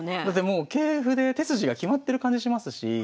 だってもう桂歩で手筋が決まってる感じしますし。